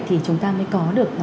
thì chúng ta mới có được